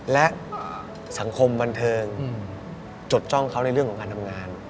และสังคมบันเทิงจดจ้องเขาในเรื่องของการทำงาน